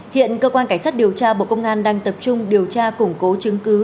hiện cơ quan cảnh sát điều tra bộ công an đang tập trung điều tra củng cố chứng cứ